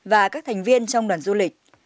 và các thành viên trong đoàn du lịch